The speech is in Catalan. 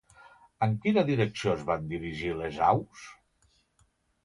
En quina direcció es van dirigir les aus?